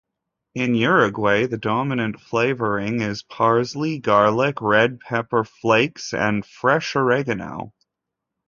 In Uruguay, the dominant flavoring is parsley, garlic, red pepper flakes, and fresh oregano.